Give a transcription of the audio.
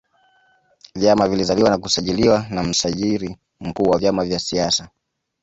vyama vilizaliwa na kusajiliwa na msajiri mkuu wa vyama vya siasa